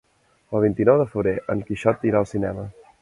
El vint-i-nou de febrer en Quixot irà al cinema.